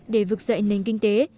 để vực dậy các doanh nghiệp mỹ